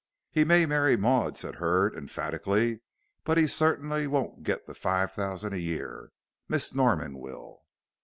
"He may marry Maud," said Hurd, emphatically, "but he certainly won't get the five thousand a year. Miss Norman will."